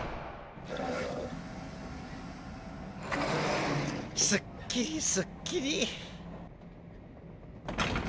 ・すっきりすっきり！